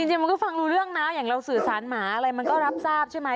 จริงมันก็ฟังรู้เรื่องนะอย่างเราสื่อสารหมาอะไรมันก็รับทราบใช่ไหม